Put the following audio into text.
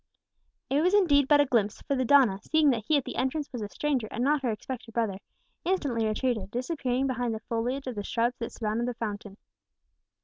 It was indeed but a glimpse, for the donna, seeing that he at the entrance was a stranger and not her expected brother, instantly retreated, disappearing behind the foliage of the shrubs that surrounded the fountain.